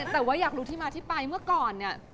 แต่ว่าอยากรู้ที่มาที่ไปเมื่อก่อนเนี่ย